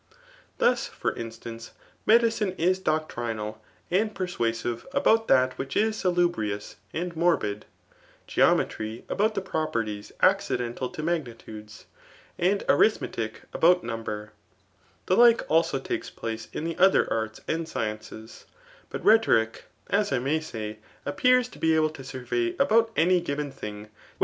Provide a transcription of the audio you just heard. Thin» for loetaM^ aediciiie is doctrinal and peranaBive about that wbidbis «faihnou8 and morbid ; geometrjr, about the properiitt aocidental to magnitudoB ; and arithmetic abouCnuflodiaKk The like also takes place in the other arts and adoicasii Bat rhetoric, as I may say, appears to be able to mxfWf about any girsen thia^, what.